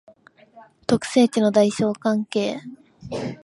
特性値の大小関係